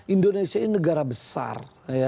indonesia ini negara besar